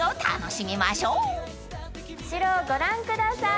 後ろをご覧ください。